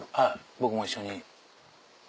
僕も一緒に。